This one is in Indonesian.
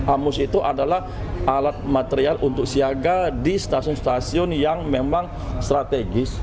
amus itu adalah alat material untuk siaga di stasiun stasiun yang memang strategis